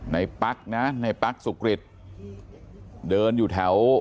ปั๊กนะในปั๊กสุกริตเดินอยู่แถว